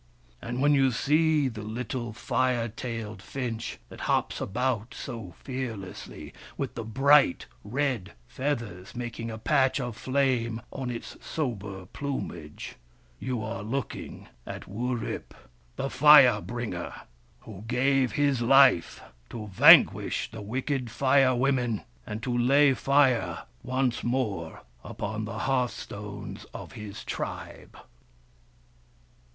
And when you see the little Fire tailed Finch that hops about so fearlessly, with the bright red feathers making a patch of flame on its sober plumage, you are looking at Wurip, the Fire bringer, who gave his life to vanquish the wicked Fire Women and to lay Fire once more upon the hearth stones of his tribe.